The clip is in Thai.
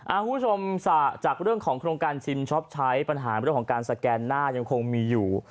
คุณผู้ชมจากเรื่องของโครงการชิมช็อปใช้ปัญหาเรื่องของการสแกนหน้ายังคงมีอยู่